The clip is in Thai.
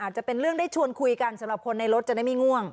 จะเป็นเรื่องได้ชวนคุยกันสำหรับคนในรถจะได้ไม่ง่วง